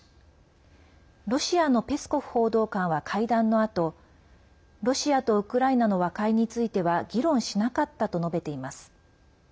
ロシアのペスコフ報道官は会談のあとロシアとウクライナの和解については議論しなかったと述べています。